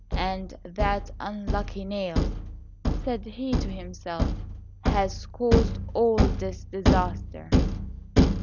"And that unlucky nail," said he to himself, "has caused all this disaster."